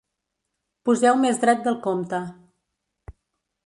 Poseu més dret del compte.